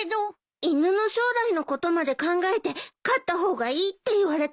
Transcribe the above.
犬の将来のことまで考えて飼った方がいいって言われたの。